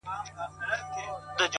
ریښتینی ځواک له دننه راپورته کېږي؛